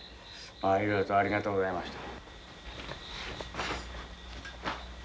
いろいろとありがとうございました。